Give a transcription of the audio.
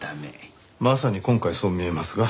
まさに今回そう見えますが。